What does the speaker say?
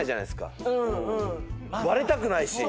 バレたくないし。